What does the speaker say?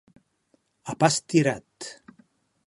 A pas tirat.